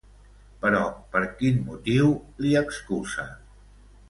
Però, per quin motiu li excusa?